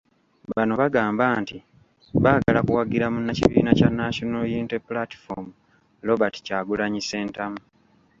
Bano bagamba nti, baagala kuwagira munnakibiina kya National Unity Platform , Robert Kyagulanyi Ssentamu.